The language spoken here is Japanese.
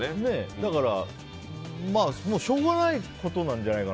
だからしょうがないことなんじゃないかな。